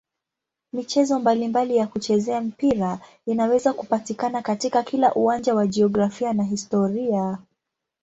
Michezo mbalimbali ya kuchezea mpira inaweza kupatikana katika kila uwanja wa jiografia na historia.